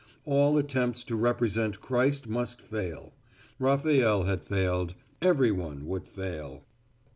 All attempts to represent Christ must fail. Rafael had failed. Everyone would fail.